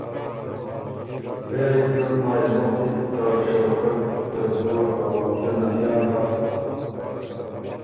پېری څُون مای مُخکی ت ته شوکت ته دُوه ا واقعه نک یاد هۀ